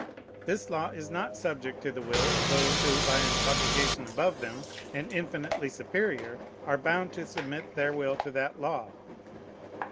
This law is not subject to the will of those who, by an obligation above them, and infinitely superior, are bound to submit their will to that law.